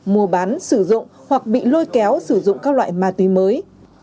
mua bán sử dụng hoặc bị lôi kéo sử dụng các loại ma túy mới